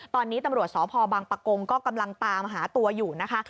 ตอนนี้ตำรวจสพบังปะกงก็กำลังตามหาตัวอยู่นะคะ